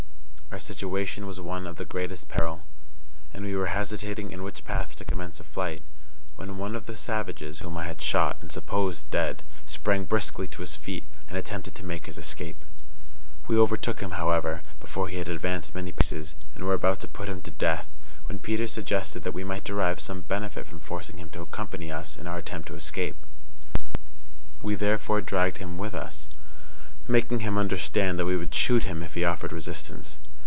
Our situation was one of the greatest peril, and we were hesitating in which path to commence a flight, when one of the savages _whom_I had shot, and supposed dead, sprang briskly to his feet, and attempted to make his escape. We overtook _him,_however, before he had advanced many paces, and were about to put him to death, when Peters suggested that we might derive some benefit from forcing him to accompany us in our attempt to escape. We therefore dragged him with us, making him understand that we would shoot him if he offered resistance.